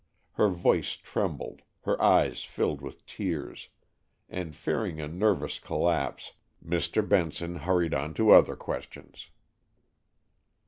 Her voice trembled, her eyes filled with tears, and, fearing a nervous collapse, Mr. Benson hurried on to other questions.